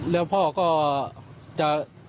แล้วพ่อก็จะ